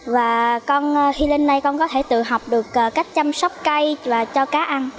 và khi lên đây con có thể tự học được cách chăm sóc cây